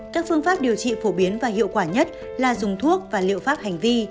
các phương pháp điều trị phổ biến và hiệu quả nhất là dùng thuốc và liệu pháp hành vi